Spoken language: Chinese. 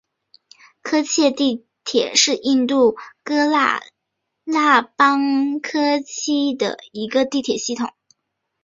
科契地铁是印度喀拉拉邦科契的一个地铁系统。